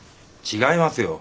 違いますよ。